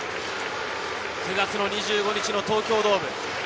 ９月の２５日の東京ドーム。